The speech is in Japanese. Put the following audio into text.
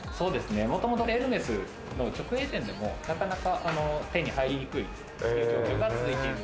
もともとエルメスの直営店でもなかなか手に入りにくい状況が続いている。